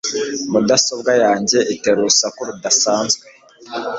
Mudasobwa yanjye itera urusaku rudasanzwe.